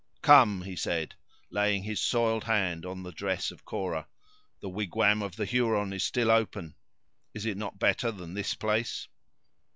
"Come," he said, laying his soiled hands on the dress of Cora, "the wigwam of the Huron is still open. Is it not better than this place?"